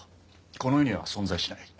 この世には存在しない。